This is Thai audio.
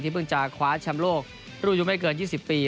ที่เพิ่งจะคว้าชำโลกรูยุไม่เกิน๒๐ปี